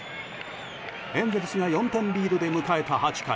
エンゼルスが４点リードで迎えた８回。